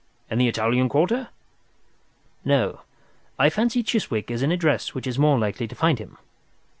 "In the Italian Quarter?" "No, I fancy Chiswick is an address which is more likely to find him.